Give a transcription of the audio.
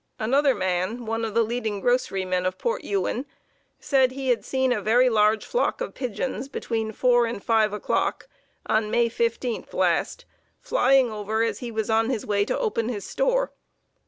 Another man, one of the leading grocerymen of Port Ewen, said he had seen a very large flock of pigeons between 4 and 5 o'clock on May 15 last, flying over as he was on his way to open his store.